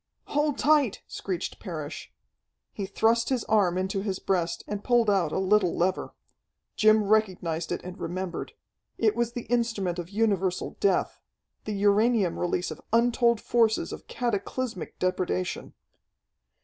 "Hold tight!" screeched Parrish. He thrust his arm into his breast, and pulled out a little lever. Jim recognized it and remembered. It was the instrument of universal death the uranium release of untold forces of cataclysmic depredation.